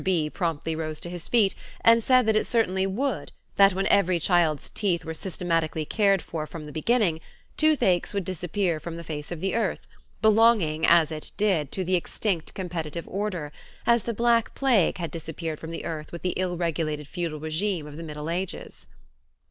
B. promptly rose to his feet and said that it certainly would, that when every child's teeth were systematically cared for from the beginning, toothaches would disappear from the face of the earth, belonging, as it did, to the extinct competitive order, as the black plague had disappeared from the earth with the ill regulated feudal regime of the Middle Ages.